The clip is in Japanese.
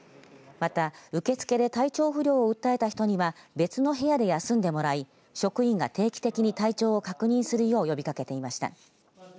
また、受け付けで体調不良を訴えた人には別の部屋で休んでもらい職員が定期的に体調を確認するよう呼びかけていました。